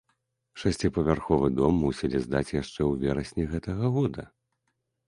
Шасціпавярховы дом мусілі здаць яшчэ ў верасні гэтага года.